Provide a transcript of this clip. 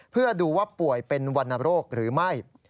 เพื่อดูว่าป่วยเป็นวรรณโรคหรือไม่